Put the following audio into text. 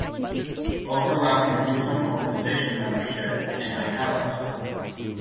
Overlapping regional organization membership in italics.